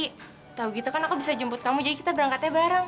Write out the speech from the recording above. tau gitu kan aku bisa jemput kamu jadi kita berangkatnya bareng